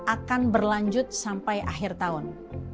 akan berlanjut sampai akhir tahun